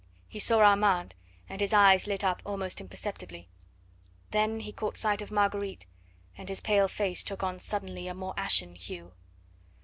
He saw Armand, and his eyes lit up almost imperceptibly. Then he caught sight of Marguerite, and his pale face took on suddenly a more ashen hue.